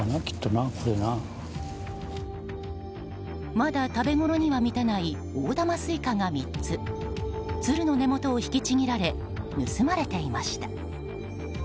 まだ食べごろには満たない大玉スイカが３つツルの根本を引きちぎられ盗まれていました。